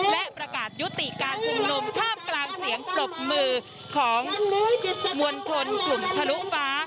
และประกาศยุติการชุมนุมท่ามกลางเสียงปรบมือของมวลชนกลุ่มทะลุฟ้า